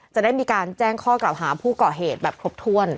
จะได้มีการแจ้งข้อกล่าวหาผู้ก่อเหตุแบบครบถ้วน